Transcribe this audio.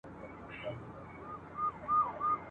د ویالو په څېر یې ولیدل سیندونه ..